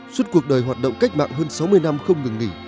suốt cuộc đời hoạt động cách mạng hơn sáu mươi năm không ngừng nghỉ